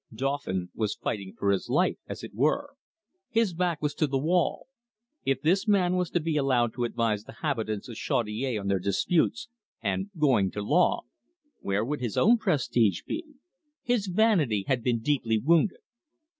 Dauphin was fighting for his life, as it were. His back was to the wall. If this man was to be allowed to advise the habitants of Chaudiere on their disputes and "going to law," where would his own prestige be? His vanity had been deeply wounded.